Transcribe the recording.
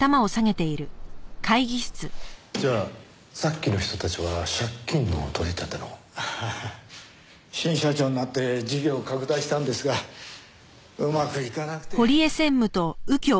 じゃあさっきの人たちは借金の取り立ての。はあ新社長になって事業を拡大したんですがうまくいかなくて。